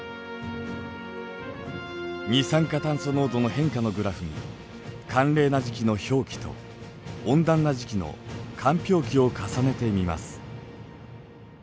二酸化炭素濃度の変化のグラフに寒冷な時期の氷期と温暖な時期の間氷期を重ねてみます。